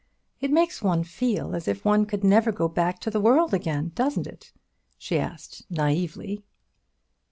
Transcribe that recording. It makes one feel as if one could never go back to the world again, doesn't it?" she asked naïvely.